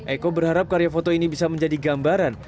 eko berharap karya foto ini bisa menjadi gambaran